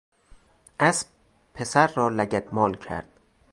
اسب پسر را لگدمال کرد.